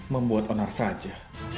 membuat onar saja